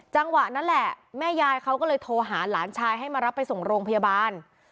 จังหวะนั้นแหละแม่ยายเขาก็เลยโทรหาหลานชายให้มารับไปส่งโรงพยาบาล